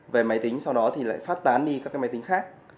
về máy tính sau đó thì lại phát tán đi các cái máy tính khác